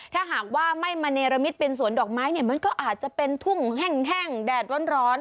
ถ้าหากว่าไม่มาเนรมิตเป็นสวนดอกไม้เนี่ยมันก็อาจจะเป็นทุ่งแห้งแดดร้อน